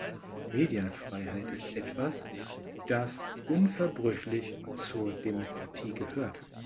Medienfreiheit ist etwas, das unverbrüchlich zur Demokratie gehört.